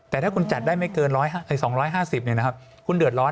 แต่ถ้าคุณจัดได้ไม่เกิน๒๕๐คุณเดือดร้อน